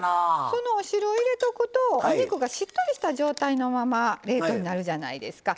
そのお汁を入れとくとお肉がしっとりした状態のまま冷凍になるじゃないですか。